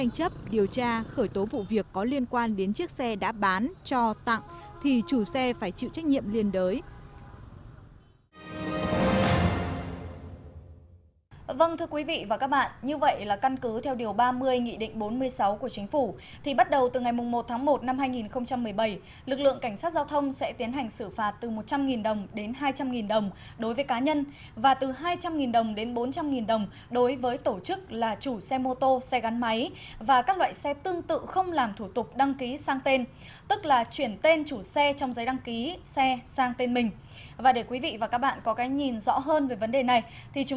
nghị định bốn mươi sáu lực lượng cảnh sát giao thông trên cả nước sẽ tiến hành xử phạt đối với cá nhân tổ chức là chủ xe mô tô xe gắn máy và các loại xe tương tự không làm thủ tục đăng ký sang tên đổi chủ